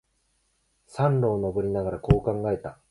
山路を登りながら、こう考えた。